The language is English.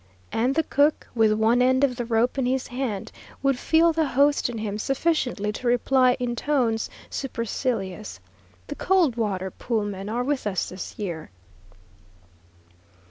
and the cook, with one end of the rope in his hand, would feel the host in him sufficiently to reply in tones supercilious, "The Coldwater Pool men are with us this year."